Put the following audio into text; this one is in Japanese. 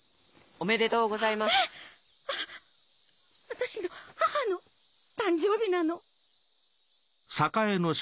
私の母の誕生日なの。